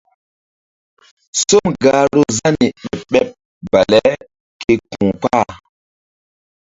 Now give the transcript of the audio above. Som gahru Zani ɓeɓ ɓeɓ bale ke ku̧ kpah.